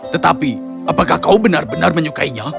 tetapi apakah kau benar benar menyukainya